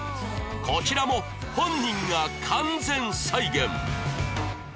こちらも本人が完全再現